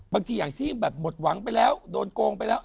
บางทีอย่างที่แบบหมดหวังไปแล้วโดนโกงไปแล้ว